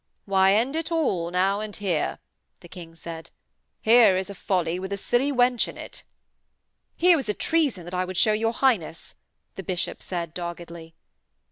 'Why, end it all, now and here,' the King said. 'Here is a folly with a silly wench in it.' 'Here was a treason that I would show your Highness,' the Bishop said doggedly.